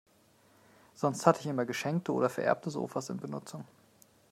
Sonst hatte ich immer geschenkte oder vererbte Sofas in Benutzung.